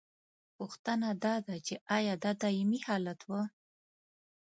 پوښتنه دا ده چې ایا دا دائمي حالت و؟